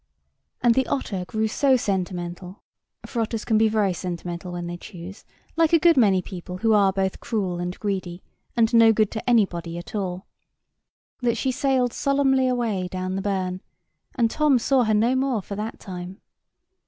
And the otter grew so sentimental (for otters can be very sentimental when they choose, like a good many people who are both cruel and greedy, and no good to anybody at all) that she sailed solemnly away down the burn, and Tom saw her no more for that time.